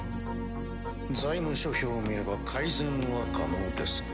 財務諸表を見れば改善は可能ですが。